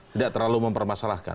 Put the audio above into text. tidak terlalu mempermasalahkan